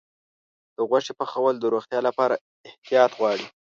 د غوښې پخول د روغتیا لپاره احتیاط غواړي.